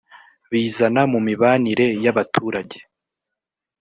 bizana mu mibanire y abaturage